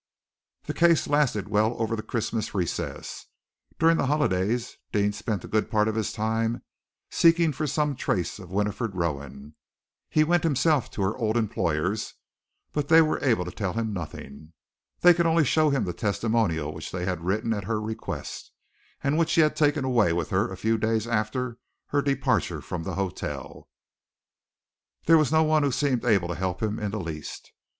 The case lasted well over the Christmas recess. During the holidays, Deane spent a good part of his time seeking for some trace of Winifred Rowan. He went himself to her old employers, but they were able to tell him nothing. They could only show him the testimonial which they had written at her request, and which she had taken away with her a few days after her departure from the hotel. There was no one who seemed able to help him in the least.